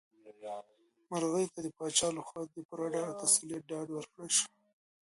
مرغۍ ته د پاچا لخوا د پوره ډاډ او تسلیت ډالۍ ورکړل شوه.